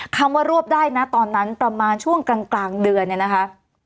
คำว่ารวบได้นะตอนนั้นประมาณช่วงกลางเดือนเนี่ยนะคะ